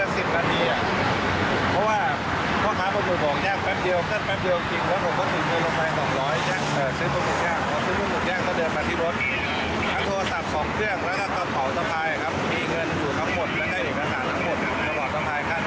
ซึ่งมุมหุ่นแย่งก็เดินมาที่รถ